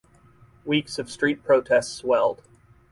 Weeks of street protests swelled.